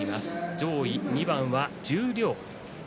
上位２番は十両です。